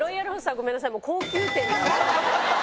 ごめんなさい。